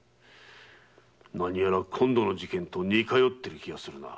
なにやら今度の事件と似通っている気がするな。